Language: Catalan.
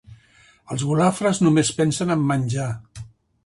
Els golafres només pensen a menjar.